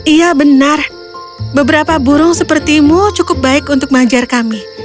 iya benar beberapa burung sepertimu cukup baik untuk mengajar kami